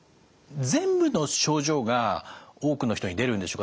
全部の症状が多くの人に出るんでしょうか